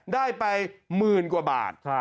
ได้ไปหมื่นกว่าบาท